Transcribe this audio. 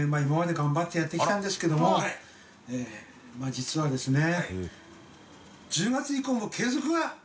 実はですね。